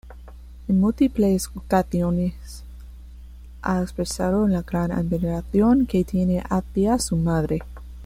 En múltiples ocasiones ha expresado la gran admiración que tiene hacia su madre.